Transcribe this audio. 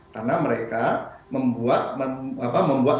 karena mereka membuat